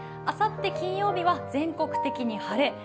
あさって金曜日は全国的に晴れ。